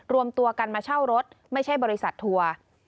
รวมตัวกันมาเช่ารถไม่ใช่บริษัททัวร์